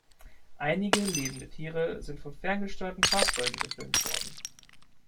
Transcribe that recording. Einige lebende Tiere sind von ferngesteuerten Fahrzeugen gefilmt worden.